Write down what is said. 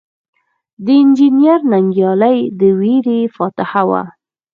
د انجنیر ننګیالي د ورېرې فاتحه وه.